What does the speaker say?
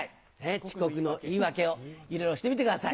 遅刻の言い訳をいろいろしてみてください。